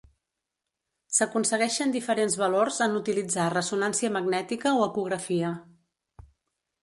S'aconsegueixen diferents valors en utilitzar ressonància magnètica o ecografia.